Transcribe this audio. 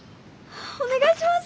お願いします。